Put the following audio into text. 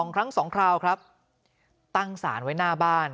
๒ครั้ง๒คราวครับตั้งสารไว้หน้าบ้าน